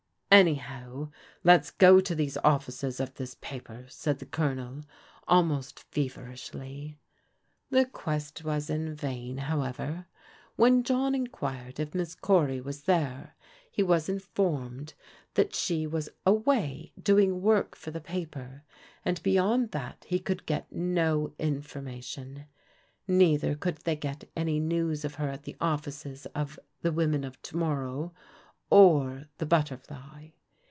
"Anyhow, let's go to these offices of this paper," said the Colonel almost feverishly. The quest was in vain, however. When John enquired if Miss Cory was there he was miormed that she was THE SEAECH FOB THE RUNAWAYS 147 laway doing work for the paper^ and beyond that he could get no information. Neither could they get any news of her at the ofl&ces of The Women of To morrow, or The Butterfly.